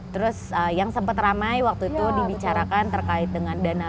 terus yang sempat ramai waktu itu dibicarakan terkait dengan dana